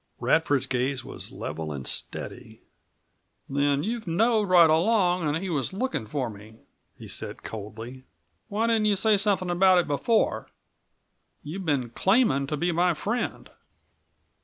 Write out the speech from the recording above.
Radford's gaze was level and steady. "Then you've knowed right along that he was lookin' for me," he said coldly. "Why didn't you say something about it before. You've been claiming to be my friend."